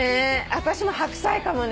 私も「白菜」かもね。